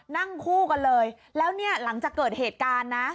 นั่งคู่กันเลยแล้วเนี่ยหลังจากเกิดเหตุการณ์นะ